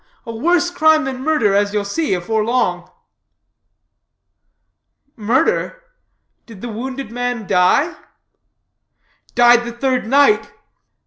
A worse crime than murder, as ye'll see afore long." "Murder? Did the wounded man die?" "Died the third night."